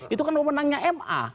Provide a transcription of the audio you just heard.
itu kan menangnya ma